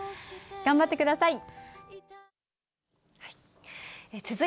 頑張ってください。